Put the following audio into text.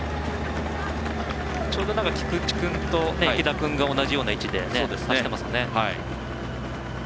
菊地君と武田君が同じような位置で走ってますね。